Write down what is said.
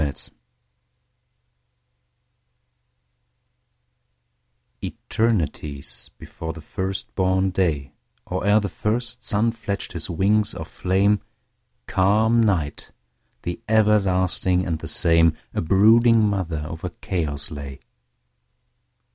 Mother Night ETERNITIES before the first born day, Or ere the first sun fledged his wings of flame, Calm Night, the everlasting and the same,A brooding mother over chaos lay.